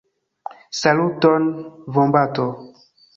Saluton, vombato!